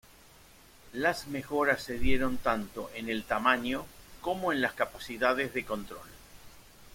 Las mejoras se dieron tanto en el tamaño como en las capacidades de control.